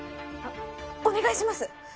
お願いします！